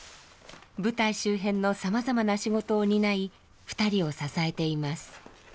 舞台周辺のさまざまな仕事を担い２人を支えています。